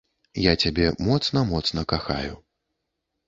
Я цябе моцна-моцна кахаю!